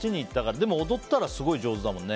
でも踊ったらすごい上手だもんね。